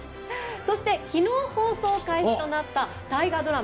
そして、昨日放送開始となった大河ドラマ